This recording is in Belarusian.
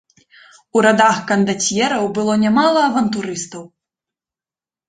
У радах кандацьераў было нямала авантурыстаў.